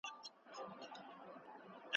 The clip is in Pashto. ځيني خلک د مرکې پر مهال رښتيا نه وايي.